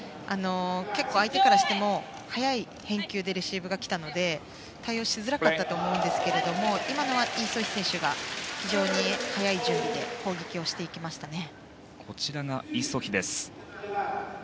結構、相手からしても速い返球でレシーブが来たので対応しづらかったと思いますが今のはイ・ソヒ選手が非常に早い準備で攻撃をしていきましたね。